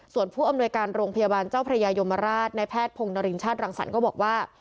ส่วนผู้อำนวยการโรงพยาบาลเจ้าพระยายมราชในแพทย์พงศรินชาติรังสรรค์ก็บอกว่า